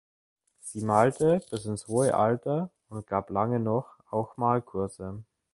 Sie malte bis ins hohe Alter und gab lange noch auch Malkurse.